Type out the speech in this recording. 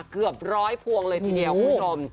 เกือบร้อยพวงเลยทีเดียวคุณผู้ชม